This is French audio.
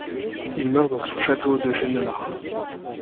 Il meurt dans son château de Genelard.